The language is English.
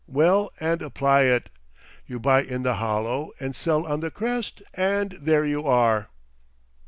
Well, and apply it! You buy in the hollow and sell on the crest, and there you are!"